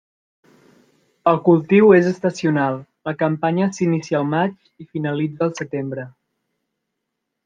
El cultiu és estacional, la campanya s'inicia al maig i finalitza al setembre.